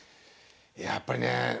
やっぱりねえ